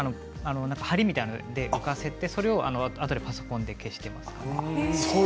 針みたいなもので浮かせてあとでパソコンで消しています。